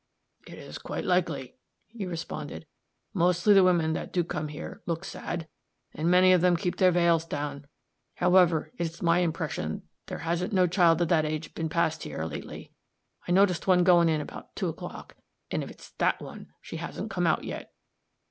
"It's quite likely," he responded; "mostly the women that do come here look sad, and many of them keep their vails down. However, it's my impression there hasn't no child of that age been past here, lately. I noticed one going in about two o'clock, and if it's that one, she hasn't come out yet."